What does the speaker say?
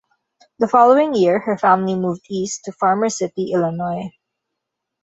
The following year, her family moved east to Farmer City, Illinois.